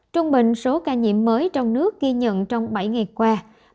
trung bình số ca nhiễm mới trong nước ghi nhận trong bảy ngày qua